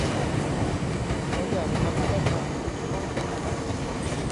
เขาอยากทำก็ทำ